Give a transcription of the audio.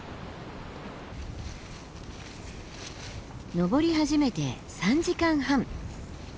登り始めて３時間半。